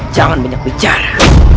jangan banyak bicara